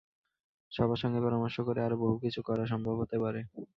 সবার সঙ্গে পরামর্শ করে আরও বহু কিছু করা সম্ভব হতে পারে।